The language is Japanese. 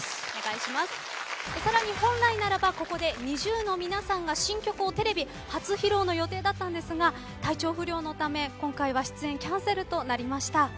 さらに本来ならばここでＮｉｚｉＵの皆さんが新曲をテレビ初披露の予定だったんですが体調不良のため今回は出演キャンセルとなりました。